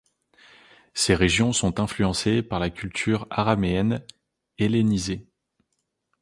Ces régions sont influencées par la culture araméenne hellénisée.